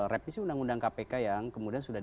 revisi undang undang kpk yang kemudian sudah